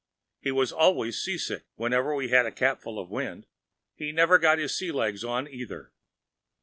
He was always seasick whenever we had a capful of wind. He never got his sea legs on either.